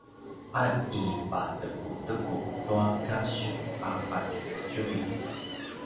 a i patekuteku tua kasiw a qatjuvitjuvi